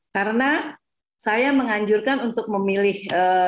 karena saya menganjurkan untuk memilih